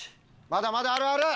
まだまだあるある！